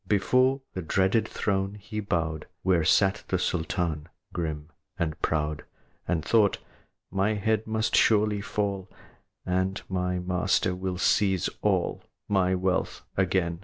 Before the dreaded throne he bowed Where sat the Sultan, grim and proud, And thought, "My head must surely fall, And then my master will seize all My wealth again."